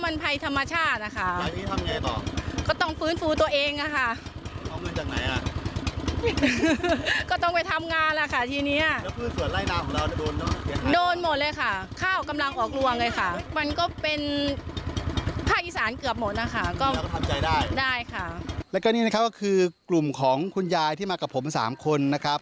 แล้วก็นี่นะครับก็คือกลุ่มของคุณยายที่มากับผมสามคนนะครับ